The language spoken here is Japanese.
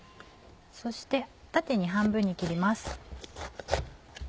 そして縦に半分に切ります。